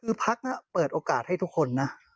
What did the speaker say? คือพักเปิดโอกาสให้ทุกคนนะ